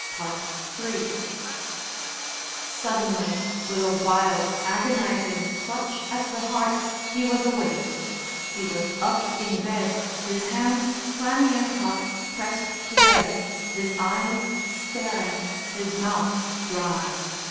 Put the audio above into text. III Suddenly, with a wild, agonising clutch at the heart, he was awake. He was up in bed, his hands, clammy and hot, pressed together, his eyes staring, his mouth dry.